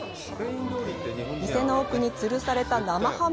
店の奥につるされた生ハム。